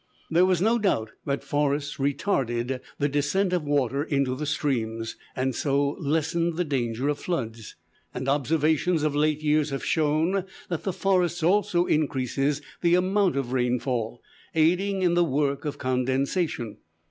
There was no doubt that forests retarded the descent of water into the streams, and so lessened the danger of floods; and observations of late years have shown that the forest also increases the amount of rainfall, aiding in the work of condensation.